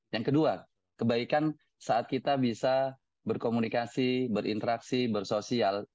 yang kedua kebaikan saat kita bisa berkomunikasi berinteraksi bersosial